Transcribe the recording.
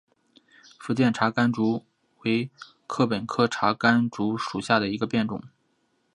福建茶竿竹为禾本科茶秆竹属下的一个变种。